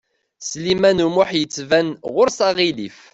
Sliman U Muḥ yettban ɣur-s aɣilif.